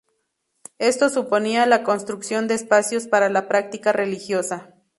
Esto suponía la construcción de espacios para la práctica religiosa.